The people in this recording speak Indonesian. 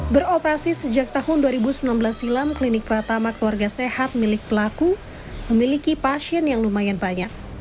beroperasi sejak tahun dua ribu sembilan belas silam klinik pertama keluarga sehat milik pelaku memiliki pasien yang lumayan banyak